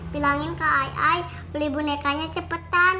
bilangin ke ay ay beli bunekanya cepetan